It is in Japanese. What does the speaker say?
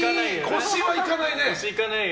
腰はいかないね。